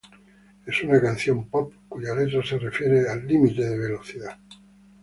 Es una canción pop cuya letra se refiere al límite de velocidad.